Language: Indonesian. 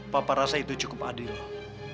papa rasa itu cukup adil